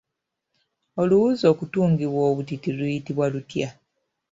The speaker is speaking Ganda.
Oluwuzi okutungibwa obutiiti luyitibwa lutya?